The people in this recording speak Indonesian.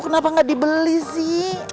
kenapa gak dibeli sih